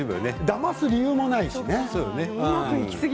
だます理由もないですしね。